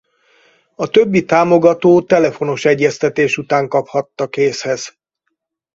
A többi támogató telefonos egyeztetés után kaphatta kézhez.